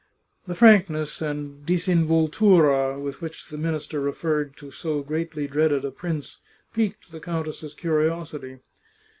The frankness and disinvoltura with which the minister referred to so greatly dreaded a prince piqued the countess's curiosity.